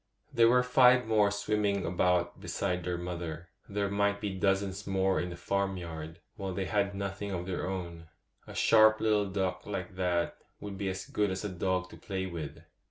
'] There were five more swimming about beside their mother; there might be dozens more in the farmyard, while they had nothing of their own. A sharp little duck like that would be as good as a dog to play with.